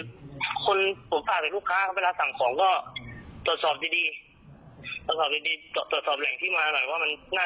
เล่นกายงานรับความว่ามันเชื่อเถอะหัวรได้หรือเปล่า